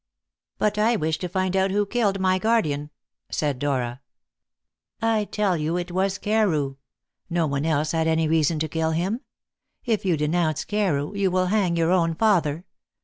"But I wish to find out who killed my guardian," said Dora. "I tell you it was Carew. No one else had any reason to kill him. If you denounce Carew, you will hang your own father.